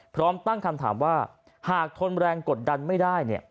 พร้อมตั้งคำถามว่าหากทนแรงกดดันไม่ได้